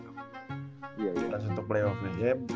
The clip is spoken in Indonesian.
iya udah tinggal sedikit